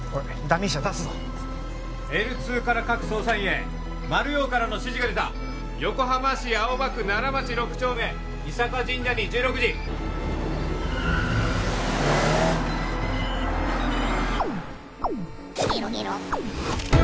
ダミー車出すぞＬ２から各捜査員へマルヨウからの指示が出た横浜市青葉区奈良町６丁目伊坂神社に１６時「ゲロゲロッ」